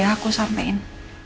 ya udah aku sampein